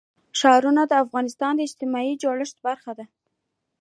ښارونه د افغانستان د اجتماعي جوړښت برخه ده.